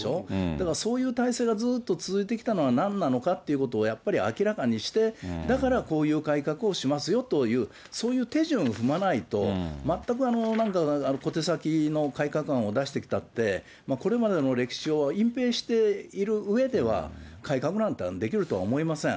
だからそういう体制がずっと続いてきたのは、なんなのかっていうことをやっぱり明らかにして、だからこういう改革をしますよという、そういう手順を踏まないと、全くなんか小手先の改革案を出してきたって、これまでの歴史上、隠ぺいしているうえでは、改革なんてできるとは思いません。